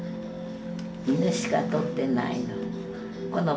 犬しか撮ってないの。